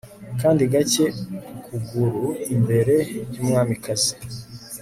Kandi gake ukuguru imbere yumwamikazi